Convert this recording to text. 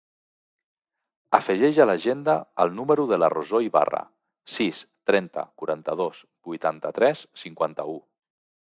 Afegeix a l'agenda el número de la Rosó Ibarra: sis, trenta, quaranta-dos, vuitanta-tres, cinquanta-u.